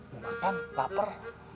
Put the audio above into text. mau makan laper